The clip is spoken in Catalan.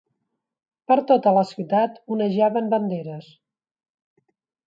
Per tota la ciutat onejaven banderes